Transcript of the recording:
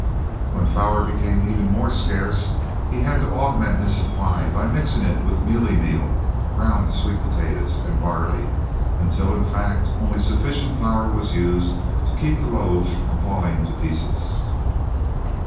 When flour became even more scarce he had to augment his supply by mixing it with mealie meal, ground sweet potatoes, and barley, until, in fact, only sufficient flour was used to keep the loaves from falling to pieces.